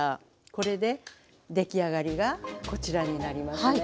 これで出来上がりがこちらになりますね。